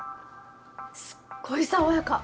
すっごい爽やか！